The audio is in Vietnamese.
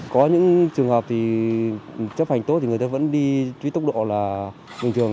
có những trường hợp thì chấp hành tốt thì người ta vẫn đi cái tốc độ là bình thường